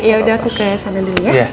yaudah aku ke sana dulu ya